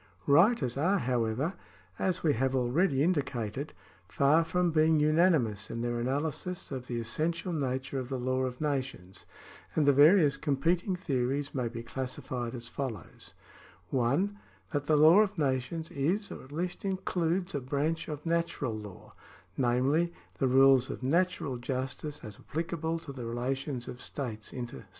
Writers are, however, as we have already indicated, far from being unanimous in their analysis of the essential nature of the law of nations, and the various competing theories may be classified as follows :— (1) That the law of nations is, or at least includes, a branch of natural law, namely, the rules of natural justice as applic able to the relations of states inter se.